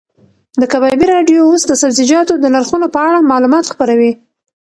د کبابي راډیو اوس د سبزیجاتو د نرخونو په اړه معلومات خپروي.